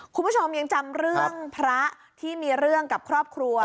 คุณผู้ชมยังจำเรื่องพระที่มีเรื่องกับครอบครัว